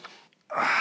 ああ。